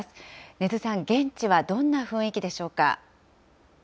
禰津さん、現地はどんな雰囲気でしょうか。